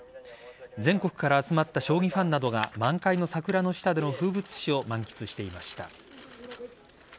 全国から集まった将棋ファンなどが満開の桜の下での風物詩を満喫していました。